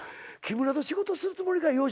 木村と仕事するつもりか？